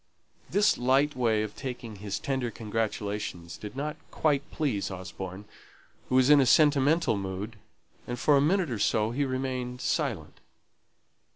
This light way of taking his tender congratulation did not quite please Osborne, who was in a sentimental mood, and for a minute or so he remained silent.